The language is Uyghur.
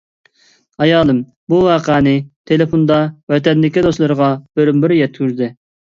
ئايالىم بۇ ۋەقەنى تېلېفوندا ۋەتەندىكى دوستلىرىغا بىرمۇبىر يەتكۈزدى.